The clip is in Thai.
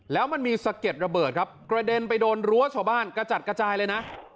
แล้วมันมีสะเก็ดระเบิดครับกระเด็นไปโดนรั้วชาวบ้านกระจัดกระจายเลยนะ